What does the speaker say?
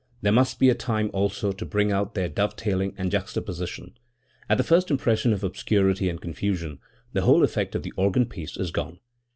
There must be time also to bring out their dovetailing and juxtaposition. At the first impression of obscurity and confusion, the whole effect of the organ piece is gone.